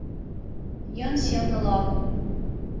Ён сеў на лаву.